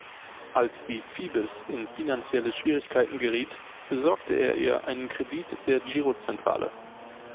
Als die Phoebus in finanzielle Schwierigkeiten geriet, besorgte er ihr einen Kredit der Girozentrale.